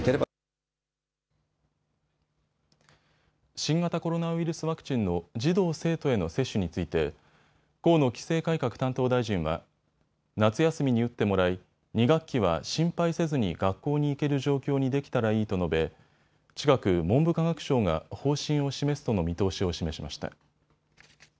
新型コロナウイルスワクチンの児童・生徒への接種について河野規制改革担当大臣は夏休みに打ってもらい２学期は心配せずに学校に行ける状況にできたらいいと述べ近く文部科学省が方針を示すとの見通しを示しました。